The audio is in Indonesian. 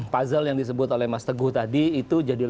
puzzle yang disebut oleh mas teguh tadi itu jadi lebih